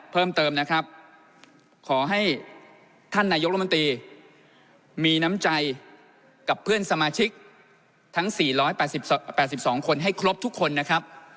เพิ่มเติมนะครับขอให้ท่านนายกรมนตรีมีน้ำใจกับเพื่อนสมาชิกทั้ง๔๘๒คนให้ครบทุกคนนะครับ